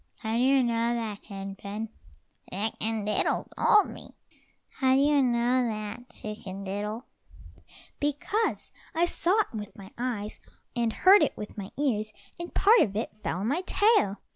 "How do you know that, Hen pen?" "Chicken diddle told me." "How do you know that, Chicken diddle?" "Because I saw it with my eyes, and heard it with my ears, and part of it fell on my tail.